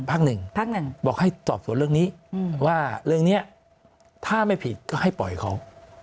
พักหนึ่งพักหนึ่งบอกให้สอบสวนเรื่องนี้ว่าเรื่องนี้ถ้าไม่ผิดก็ให้ปล่อยเขา